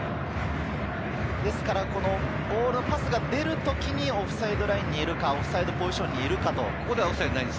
パスが出る時にオフサイドラインにいるか、オフサイドポジションにいるか。